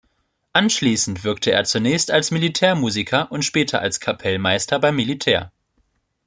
Anschliessend wirkte er zunächst als Militärmusiker und später als Kapellmeister beim Militär.